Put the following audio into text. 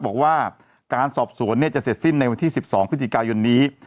บอกว่าการสอบสวนจะเสร็จสิ้นในวันที่๑๒พฤศจิกายนนี้